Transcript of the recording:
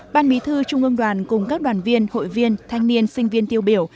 ban bí thư trung ương đoàn cùng các đoàn viên hội viên thanh niên sinh viên tiêu biểu